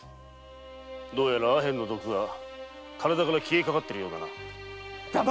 どうやらアヘンの毒が消えかかっているようだな。